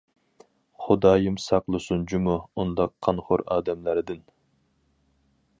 خۇدايىم ساقلىسۇن جۇمۇ ئۇنداق قانخور ئادەملەردىن.